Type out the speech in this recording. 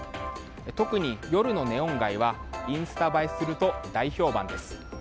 特に夜のネオン街はインスタ映えすると大評判です。